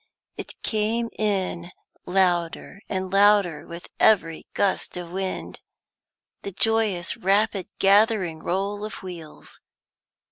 It came in, louder and louder with every gust of wind the joyous, rapid gathering roll of wheels.